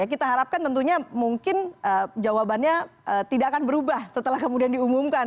kita harapkan tentunya mungkin jawabannya tidak akan berubah setelah kemudian diumumkan